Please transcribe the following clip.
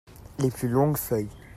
Les plus longues feuilles.